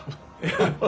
ハハハハ。